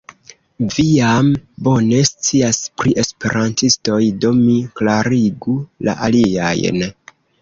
Vi jam bone scias pri esperantistoj, do mi klarigu la aliajn.